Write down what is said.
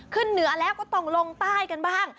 ขึ้นเหนือแล้วก็ต้องลงใต้กันบ้าง